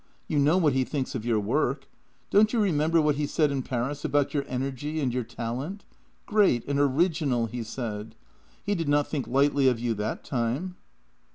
You know what he thinks of your work. Don't you remember what he said in Paris about your energy and your talent? Great and original, he said. He did not think lightly of you that time."